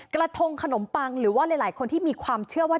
กระทงขนมปังหรือว่าหลายคนที่มีความเชื่อว่า